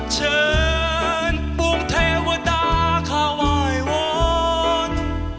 เชิญปวงเทวดาขาววายวน